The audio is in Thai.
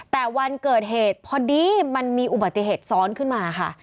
แต่วันเกิดเหตุพอดีมันมีอุบัติเหตุซ้อนขึ้นมาค่ะ